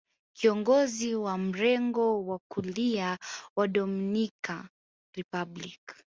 Kiongozi wa mrengo wa kulia wa Dominican Republic